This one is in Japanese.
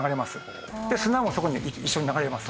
砂もそこに一緒に流れます。